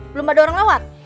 belum ada orang lewat